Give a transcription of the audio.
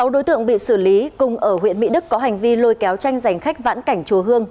sáu đối tượng bị xử lý cùng ở huyện mỹ đức có hành vi lôi kéo tranh giành khách vãn cảnh chùa hương